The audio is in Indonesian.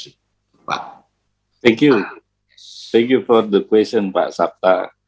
terima kasih atas pertanyaan pak sabt